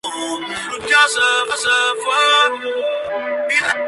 Ese es el origen del nombre del caserío.